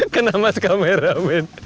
kena mas kameramen